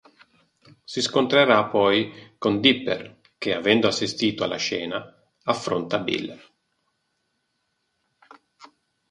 Si scontrerà poi con Dipper che, avendo assistito alla scena, affronta Bill.